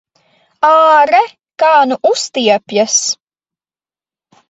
Āre, kā nu uztiepjas!